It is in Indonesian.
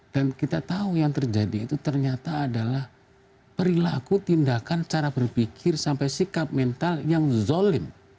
dan kita tahu yang terjadi itu ternyata adalah perilaku tindakan cara berpikir sampai sikap mental yang zolim